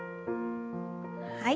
はい。